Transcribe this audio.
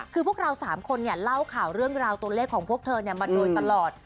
คือพวกเรา๓คนเล่าข่าวเรื่องราวตัวเลขของพวกเธอมาโดยตลอด